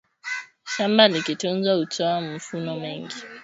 shamba likitunzwa hutoa mzvuno mengi